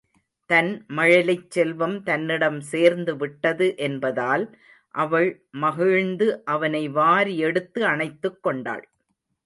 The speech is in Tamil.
தன் மழலைச் செல்வம் தன்னிடம் சேர்ந்துவிட்டது என்பதால் அவள் மகிழ்ந்து அவனை வாரி எடுத்து அணைத்துக்கொண்டாள்.